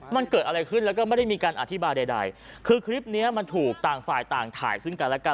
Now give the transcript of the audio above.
มันเกิดอะไรขึ้นแล้วก็ไม่ได้มีการอธิบายใดใดคือคลิปเนี้ยมันถูกต่างฝ่ายต่างถ่ายซึ่งกันและกัน